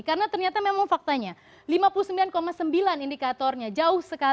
karena ternyata memang faktanya lima puluh sembilan sembilan indikatornya jauh sekali ya